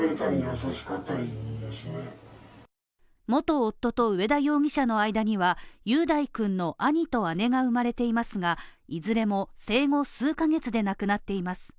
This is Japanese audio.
元夫と上田容疑者の間には雄大君の兄と姉が生まれていますがいずれも生後数カ月で亡くなっています。